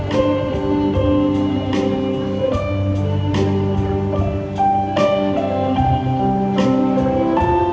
คนโดยราชาฬันอยู่บาก